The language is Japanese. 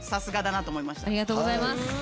ありがとうございます。